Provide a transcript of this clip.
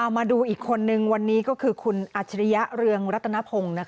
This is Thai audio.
มาดูอีกคนนึงวันนี้ก็คือคุณอัจฉริยะเรืองรัตนพงศ์